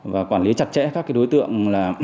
và quản lý chặt chẽ các đối tượng